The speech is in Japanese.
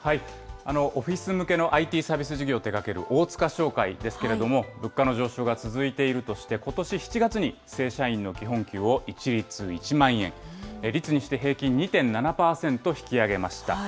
オフィス向けのＩＴサービス事業を手がける大塚商会ですけれども、物価の上昇が続いているとして、ことし７月に正社員の基本給を一律１万円、率にして平均２．７％引き上げました。